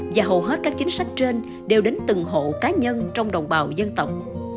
và hầu hết các chính sách trên đều đến từng hộ cá nhân trong đồng bào dân tộc